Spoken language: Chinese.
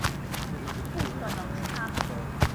不可能是他们